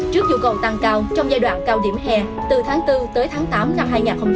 trước nhu cầu tăng cao trong giai đoạn cao điểm hè từ tháng bốn tới tháng tám năm hai nghìn hai mươi